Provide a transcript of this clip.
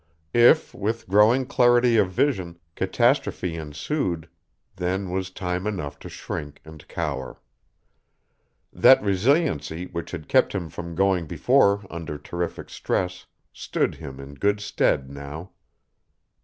If, with growing clarity of vision, catastrophe ensued, then was time enough to shrink and cower. That resiliency which had kept him from going before under terrific stress stood him in good stead now.